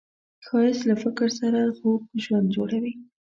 ښایست له فکر سره خوږ ژوند جوړوي